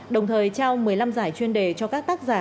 đồng thời trao một mươi năm giải chuyên đề cho các tác giả